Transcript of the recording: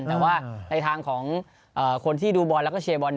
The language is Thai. แต่ว่าในทางของคนที่ดูบอลแล้วก็เชียร์บอล